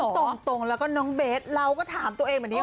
ตรงแล้วก็น้องเบสเราก็ถามตัวเองแบบนี้